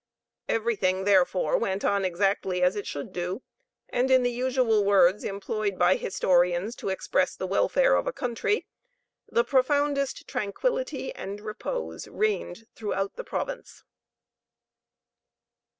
Everything, therefore, went on exactly as it should do, and in the usual words employed by historians to express the welfare of a country, "the profoundest tranquillity and repose reigned throughout the province."